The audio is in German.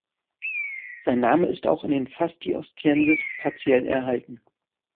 Sein Name ist auch in den Fasti Ostienses partiell erhalten.